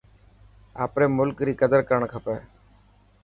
آپري ملڪ ري قدر ڪرڻ کپي.